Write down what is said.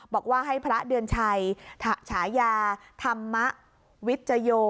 บอกว่าให้พระเดือนชัยฉายาธรรมวิจโย